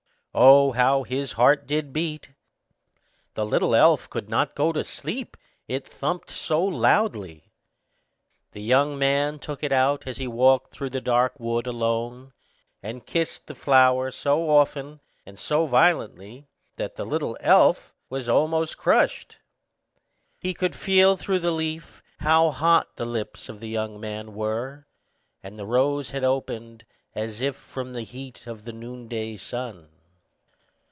Oh, how his heart did beat! The little elf could not go to sleep, it thumped so loudly. The young man took it out as he walked through the dark wood alone, and kissed the flower so often and so violently, that the little elf was almost crushed. He could feel through the leaf how hot the lips of the young man were, and the rose had opened, as if from the heat of the noonday sun.